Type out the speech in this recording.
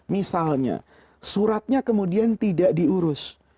misalnya suratnya kemudian tidak diurus